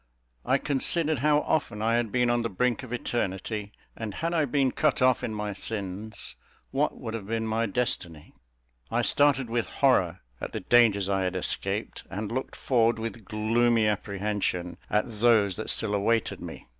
I considered how often I had been on the brink of eternity; and had I been cut off in my sins, what would have been my destiny? I started with horror at the dangers I had escaped, and looked forward with gloomy apprehension at those that still awaited me.